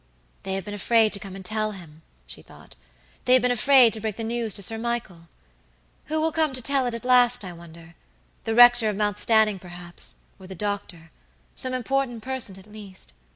"They have been afraid to come and tell him," she thought; "they have been afraid to break the news to Sir Michael. Who will come to tell it, at last, I wonder? The rector of Mount Stanning, perhaps, or the doctor; some important person at least."